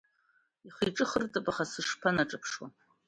Ихы-иҿы хыртып, аха сышԥанаҿаԥшуа.